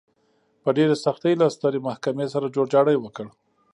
په ډېرې سختۍ له سترې محکمې سره جوړجاړی وکړ.